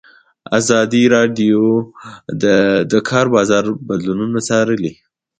ازادي راډیو د د کار بازار بدلونونه څارلي.